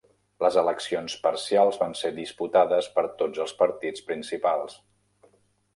Les eleccions parcials van ser disputades per tots els partits principals.